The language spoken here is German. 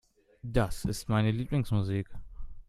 Das ist meine Lieblingsmusik.